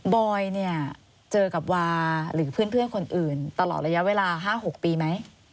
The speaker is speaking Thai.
บอยเนี่ยเจอกับวาหรือเพื่อนคนอื่นตลอดระยะเวลา๕๖ปีไหม